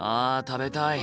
食べたい。